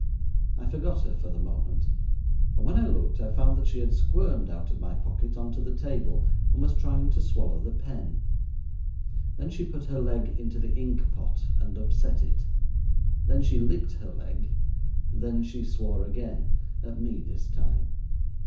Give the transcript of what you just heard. I forgot her for the moment, and when I looked I found that she had squirmed out of my pocket on to the table and was trying to swallow the pen; then she put her leg into the ink pot and upset it; then she licked her leg; then she swore again at me this time.